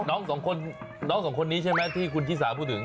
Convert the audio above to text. โอ้โหน้อง๒คนนี้ใช่ไหมที่คุณที่สาพูดถึง